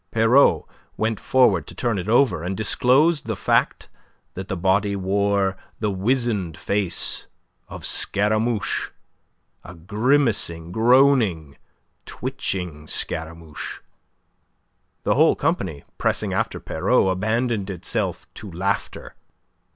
Pierrot went forward to turn it over, and disclosed the fact that the body wore the wizened face of Scaramouche, a grimacing, groaning, twitching Scaramouche. The whole company, pressing after Pierrot, abandoned itself to laughter.